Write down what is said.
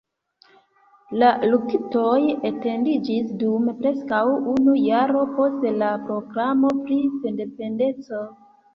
La luktoj etendiĝis dum preskaŭ unu jaro post la proklamo pri sendependeco.